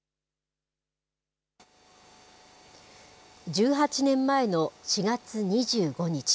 １８年前の４月２５日。